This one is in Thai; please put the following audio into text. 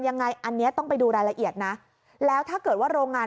ยังไงอันนี้ต้องไปดูรายละเอียดนะแล้วถ้าเกิดว่าโรงงาน